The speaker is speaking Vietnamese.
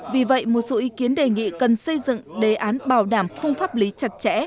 vì vậy một số ý kiến đề nghị cần xây dựng đề án bảo đảm phung pháp lý chặt chẽ